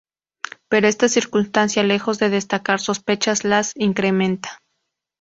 Pero esta circunstancia, lejos de descartar sospechas las incrementa.